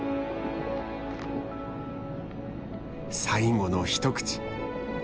最後の一口。